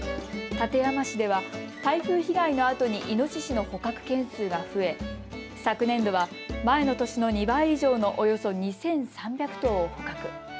館山市では台風被害のあとにイノシシの捕獲件数が増え、昨年度は前の年の２倍以上のおよそ２３００頭を捕獲。